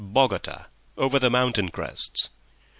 "Bogota. Over the mountain crests."